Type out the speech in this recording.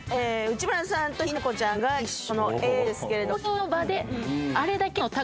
内村さんと日奈子ちゃんが一緒のＡですけれども。